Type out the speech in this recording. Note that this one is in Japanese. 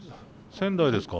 仙台ですか？